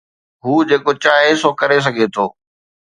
هو جيڪو چاهي سو ڪري سگهي ٿو.